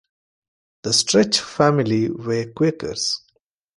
The Stretch family were Quakers.